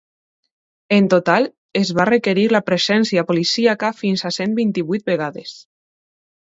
En total es va requerir la presència policíaca fins a cent vint-i-vuit vegades.